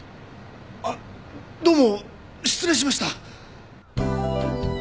あどうも失礼しました！